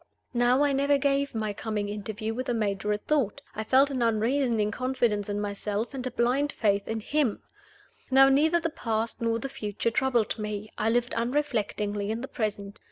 Now I never gave my coming interview with the Major a thought; I felt an unreasoning confidence in myself, and a blind faith in him. Now neither the past nor the future troubled me; I lived unreflectingly in the present.